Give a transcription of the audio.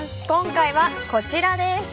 今回はこちらです。